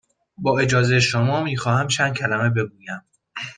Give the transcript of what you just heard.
با اجازه شما، می خواهم چند کلمه بگویم.